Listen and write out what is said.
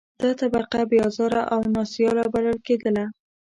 دا طبقه بې آزاره او نا سیاله بلل کېدله.